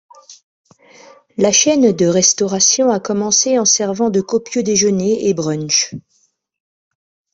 La chaîne de restauration a commencé en servant de copieux déjeuners et brunchs.